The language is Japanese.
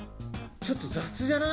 ちょっと雑じゃない？